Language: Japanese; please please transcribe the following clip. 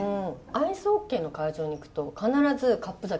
アイスホッケーの会場に行くと必ずカップ酒が売ってあって。